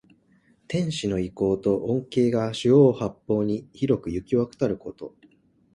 天子の威光と恩恵が四方八方に広くゆきわたること。